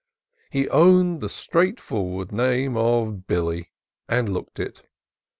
He owned the straightforward name of Billy, and looked it.